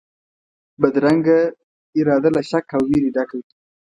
بدرنګه اراده له شک او وېري ډکه وي